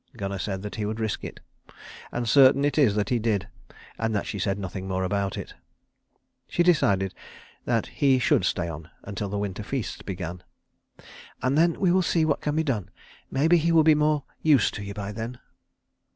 Gunnar said that he would risk it. And certain it is that he did, and that she said nothing more about it. She decided that he should stay on until the winter feasts began. "And then we will see what can be done. Maybe he will be more used to you by then."